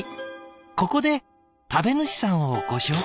ここで食べ主さんをご紹介」。